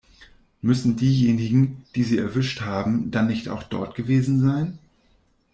Müssen diejenigen, die sie erwischt haben, dann nicht auch dort gewesen sein?